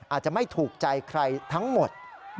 อาจจะไม่ถูกใจใครทั้งหมด